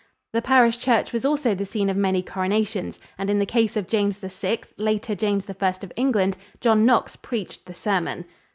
The parish church was also the scene of many coronations, and in the case of James VI, later James I of England, John Knox preached the sermon.